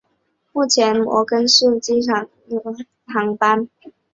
目前摩根敦市立机场只有飞往杜勒斯机场的航班。